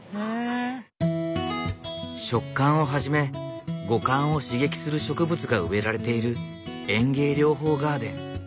触感をはじめ五感を刺激する植物が植えられている園芸療法ガーデン。